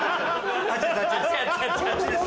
あっちです